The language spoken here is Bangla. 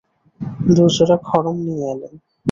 দু জোড়া খড়ম নিয়ে এলেন।